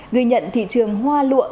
người nhận thị trường hoa lụa